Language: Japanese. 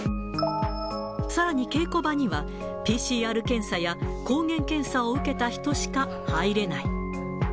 さらに稽古場には、ＰＣＲ検査や抗原検査を受けた人しか入れない。